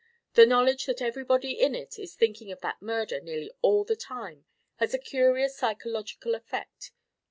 The knowledge that everybody in it is thinking of that murder nearly all the time has a curious psychological effect.